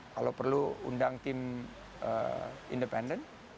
kalau perlu undang tim independen